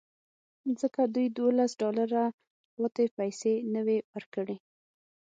ځکه دوی دولس ډالره پاتې پیسې نه وې ورکړې